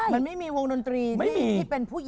มันไม่มีวงดนตรีไม่มีที่เป็นผู้หญิง